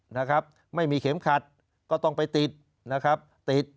นะครับไม่มีเข็มขัดก็ต้องไปติดนะครับติด